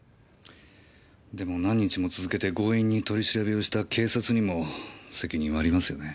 でも何日も続けて強引に取り調べをした警察にも責任はありますよね。